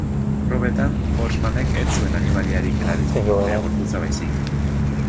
Probetan, Forssmanek ez zuen animaliarik erabili, bere gorputza baizik.